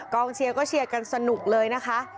เชียร์ก็เชียร์กันสนุกเลยนะคะ